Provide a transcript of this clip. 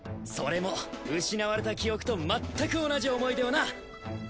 それも失われた記憶とまったく同じ思い出をな！